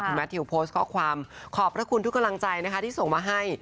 แมททิวโพสต์ข้อความขอบพระคุณทุกกำลังใจนะคะที่ส่งมาให้